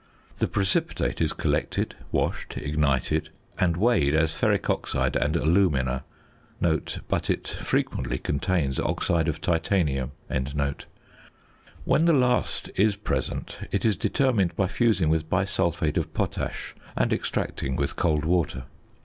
The precipitate is collected, washed, ignited, and weighed as ferric oxide and alumina (but it frequently contains oxide of titanium). When the last is present it is determined by fusing with bisulphate of potash and extracting with cold water.